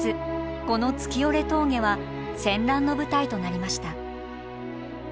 この月居峠は戦乱の舞台となりました。